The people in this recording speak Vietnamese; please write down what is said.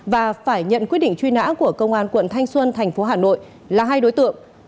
và phải nhận quyết định truy nã của công an quận thanh xuân thành phố hà nội là hai đối tượng